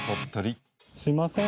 すいません。